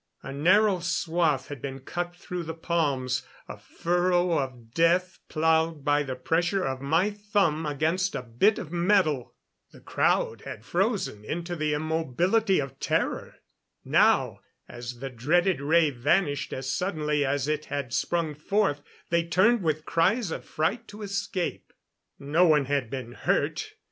A narrow swath had been cut through the palms a furrow of death plowed by the pressure of my thumb against a bit of metal! The crowd had frozen into the immobility of terror. Now, as the dreaded ray vanished as suddenly as it had sprung forth, they turned with cries of fright to escape. No one had been hurt.